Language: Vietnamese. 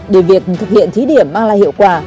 để việc thực hiện thí điểm mang lại hiệu quả